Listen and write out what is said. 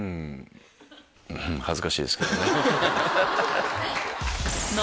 恥ずかしいですけどね。